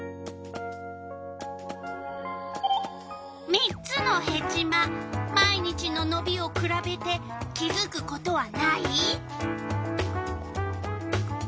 ３つのヘチマ毎日ののびをくらべて気づくことはない？